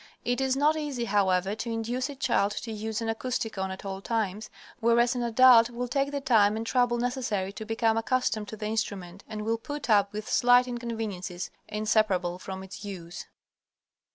It is not easy, however, to induce a child to use an Acousticon at all times, whereas an adult will take the time and trouble necessary to become accustomed to the instrument, and will put up with the slight inconveniences inseparable from its use.